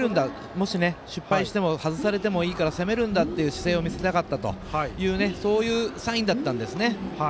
もし失敗しても外されてもいいから、攻めるんだという姿勢を見せたかったというサインだったんですね。